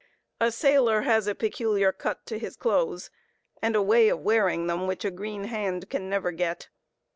A sailor has a peculiar cut to his clothes, and a way of wearing them which a green hand can never get.